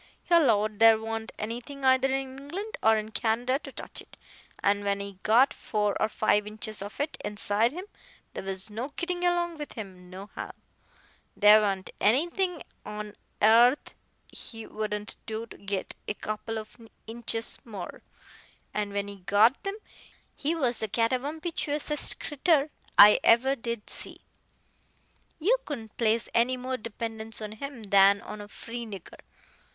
He 'lowed there wa'n't anything either in England or in Canada to touch it. An' when he got four or five inches of it inside him, there was no gittin' along with him nohow. There wa'n't anything on airth he wouldn't do to git a couple of inches more, and when he got them he was the catawamptiousest critter I ever did see. You couldn't place any more dependence on him than on a free nigger.